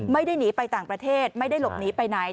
ไม่ได้หนีไปต่างประเทศไม่ได้หลบหนีไปไหน